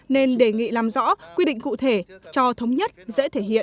nên đề nghị làm rõ quy định cụ thể cho thống nhất dễ thể hiện